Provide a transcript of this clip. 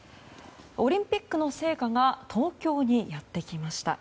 オリンピックの聖火が東京にやってきました。